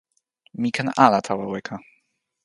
mi ken ala tawa weka.